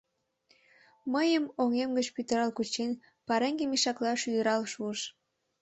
Мыйым оҥем гыч пӱтырал кучен, пареҥге мешакла шӱдырал шуыш.